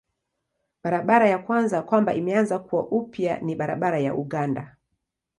Barabara ya kwanza kwamba imeanza kuwa upya ni barabara ya Uganda.